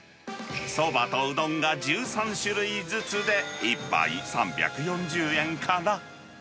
そばとうどんが１３種類ずつで、１杯３４０円から。